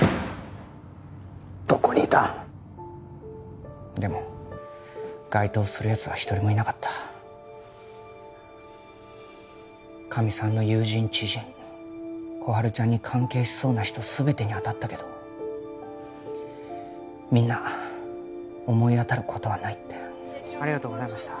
どこにいた？でも該当するやつは一人もいなかったかみさんの友人知人心春ちゃんに関係しそうな人全てにあたったけどみんな思い当たることはないってありがとうございました